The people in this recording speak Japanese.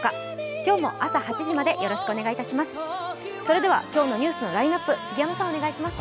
今日も朝８時までよろしくお願いいたします。